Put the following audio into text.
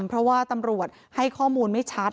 เพราะว่าตำรวจให้ข้อมูลไม่ชัด